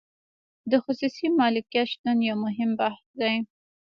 د خصوصي مالکیت شتون یو مهم بحث دی.